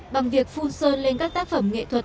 bằng việc phun sơn lên các tác phẩm nghệ thuật